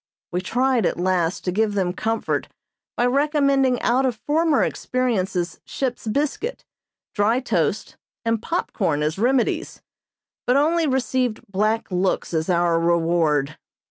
We tried at last to give them comfort by recommending out of former experiences ship's biscuit, dry toast and pop corn as remedies, but only received black looks as our reward.